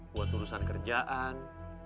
buat urusan kerjaan